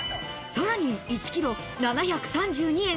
さらに１キロ７３２円。